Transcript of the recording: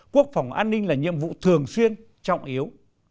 quốc phòng an ninh là nhiệm vụ thường xuyên trọng yếu